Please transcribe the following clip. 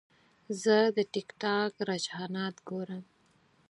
زه د ټک ټاک رجحانات ګورم.